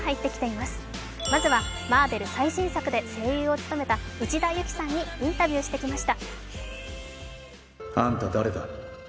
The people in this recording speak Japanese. まずはマーベル最新作で声優を務めた内田有紀さんにインタビューをしてきました。